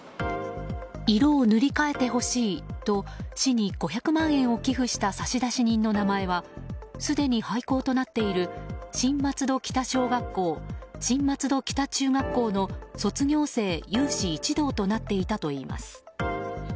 色を塗り替えてほしいと市に５００万円を寄付した差出人の名前はすでに廃校となっている新松戸北小学校新松戸北中学校の卒業生有志一同となっていたといいます。